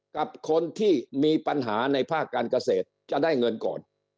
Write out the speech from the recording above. กับคนที่มีปัญหาในภาคการเกษตรจะได้เงินก่อน